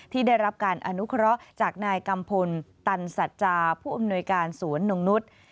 ที่ได้รับการอนุเคราะห์จากนายกัมพลตันสัจจาผู้อำนวยการสวนนงนุษย์